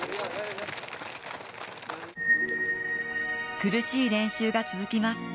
苦しい練習が続きます。